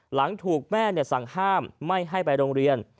หลังถูกแม่สั่งห้ามไม่ให้ไปโรงเรียน